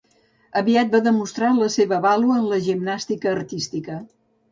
Aviat va demostrar la seva vàlua en la gimnàstica artística.